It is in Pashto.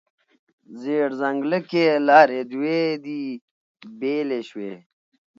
زیړ ځنګله کې لارې دوې دي، بیلې شوې